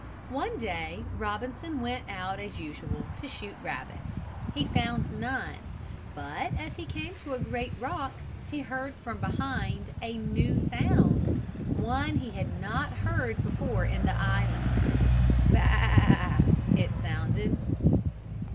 One day Robinson went out as usual to shoot rabbits. He found none. But as he came to a great rock he heard from behind a new sound, one he had not heard before in the island. Ba a a, it sounded.